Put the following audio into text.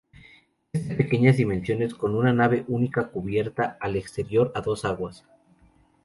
Es de pequeñas dimensiones con una nave única, cubierta al exterior a dos aguas.